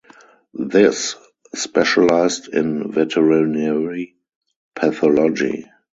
This specialised in veterinary pathology.